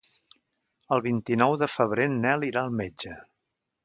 El vint-i-nou de febrer en Nel irà al metge.